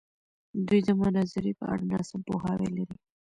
دوی د مناظرې په اړه ناسم پوهاوی لري.